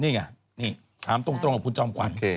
นี่ไงนี่ถามตรงกับคุณจอมขวัญ